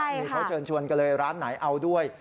นี่เขาเชิญชวนกันเลยร้านไหนเอาด้วย